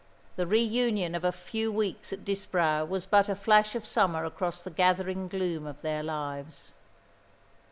The reunion of a few weeks at Disbrowe was but a flash of summer across the gathering gloom of their lives.